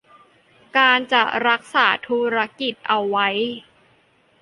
การจะรักษาธุรกิจเอาไว้